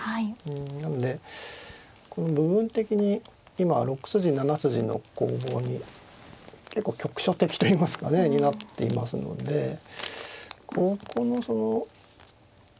なので部分的に今６筋７筋の攻防に結構局所的といいますかねになっていますのでここのそのさし手争いっていいますか